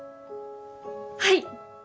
はい。